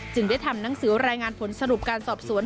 ได้ทำหนังสือรายงานผลสรุปการสอบสวน